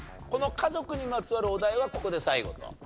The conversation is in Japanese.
この家族にまつわるお題はここで最後と。